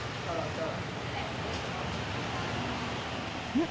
うん？